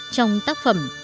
trong tác phẩm